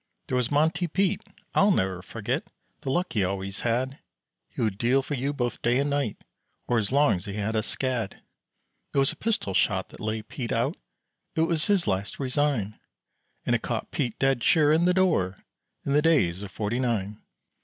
There was Monte Pete, I'll ne'er forget The luck he always had, He would deal for you both day and night Or as long as he had a scad. It was a pistol shot that lay Pete out, It was his last resign, And it caught Pete dead sure in the door In the days of Forty Nine.